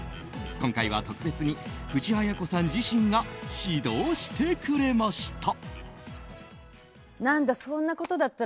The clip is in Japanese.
今回は特別に藤あや子さん自身が指導してくれました。